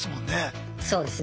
そうですね